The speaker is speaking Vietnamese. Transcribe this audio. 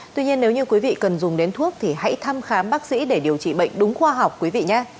tuy nhiên nếu như quý vị cần dùng đến thuốc thì hãy thăm khám bác sĩ để điều trị bệnh đúng khoa học quý vị nhé